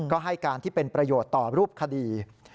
ก็ให้การที่เป็นประโยชน์ต่อรูปคดี